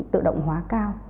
tự động hóa cao